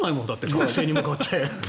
学生に向かって。